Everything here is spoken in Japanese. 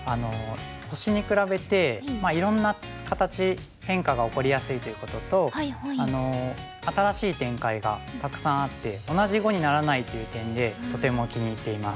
星に比べていろんな形変化が起こりやすいということと新しい展開がたくさんあって同じ碁にならないという点でとても気に入っています。